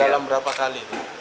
dalam berapa kali